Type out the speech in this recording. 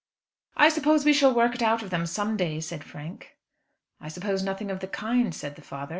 "I suppose we shall work it out of them some day," said Frank. "I suppose nothing of the kind," said the father.